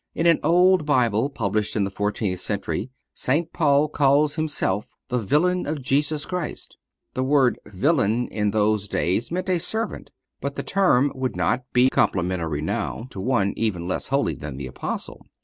In an old Bible published in the fourteenth century St. Paul calls himself the villain of Jesus Christ. The word villain in those days meant a servant, but the term would not be complimentary now to one even less holy than the Apostle.